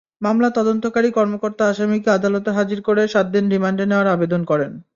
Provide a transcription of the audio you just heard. মামলার তদন্তকারী কর্মকর্তা আসামিকে আদালতে হাজির করে সাত দিন রিমান্ডে নেওয়ার আবেদন করেন।